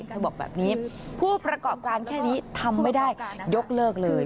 บอกแบบนี้ผู้ประกอบการแค่นี้ทำไม่ได้ยกเลิกเลย